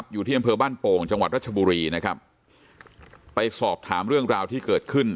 อยู่ที่อำเภอบ้านโป่งจังหวัดรัชบุรีนะครับไปสอบถามเรื่องราวที่เกิดขึ้น